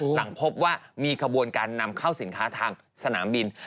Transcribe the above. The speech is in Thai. หลังพบว่ามีขบวนการนำเข้าสินค้าทางสนามบิน